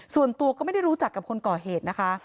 ส่วนตัวก็ไม่ได้รู้จักกับคนก่อเหตุนะคะ